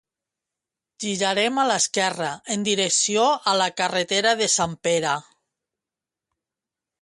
girarem a l'esquerra en direcció a la carretera de Sant Pere